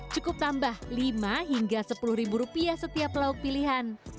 cukup tambah rp lima hingga rp sepuluh setiap lauk pilihan